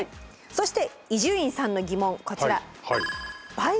そして伊集院さんの疑問こちら！